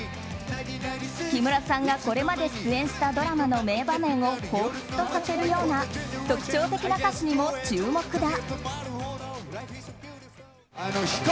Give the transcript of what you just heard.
木村さんがこれまで出演したドラマの名場面をほうふつとさせるような特徴的な歌詞にも注目だ。